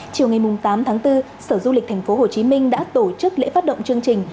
chiều ngày tám tháng bốn sở du lịch tp hcm đã tổ chức lễ phát động chương trình